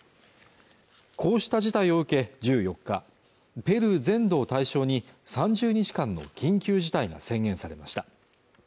こうした事態を受け１４日ペルー全土を対象に３０日間の緊急事態が宣言されました